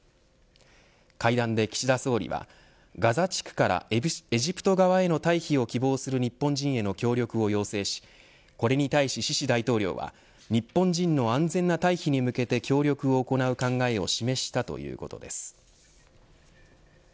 会談で岸田総理はガザ地区からエジプト側への退避を希望する日本人への協力を要請しこれに対しシシ大統領は日本人の安全な退避に向けて協力を行う考えを示したということです。